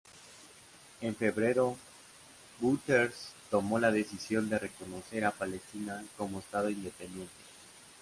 En febrero Bouterse tomó la decisión de reconocer a Palestina como estado independiente.